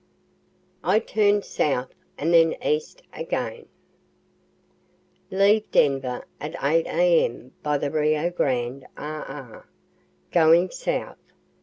I TURN SOUTH AND THEN EAST AGAIN Leave Denver at 8 A.M. by the Rio Grande RR. going south.